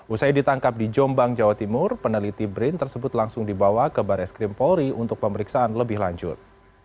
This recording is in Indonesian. usai ditangkap di jombang jawa timur peneliti brin tersebut langsung dibawa ke baris krim polri untuk pemeriksaan lebih lanjut